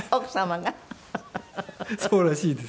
そうらしいです。